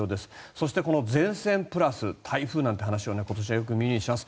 そしてこの前線プラス台風なんていう話を今年はよく耳にします。